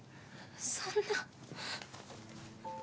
そんな。